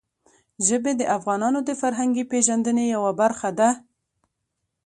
ژبې د افغانانو د فرهنګي پیژندنې یوه برخه ده.